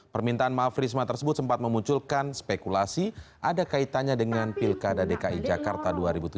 permintaan maaf risma tersebut sempat memunculkan spekulasi ada kaitannya dengan pilkada dki jakarta dua ribu tujuh belas